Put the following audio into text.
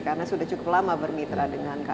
karena sudah cukup lama bermitra dengan kain kain